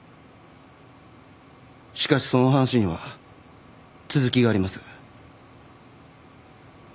しかしその話には続きがあります。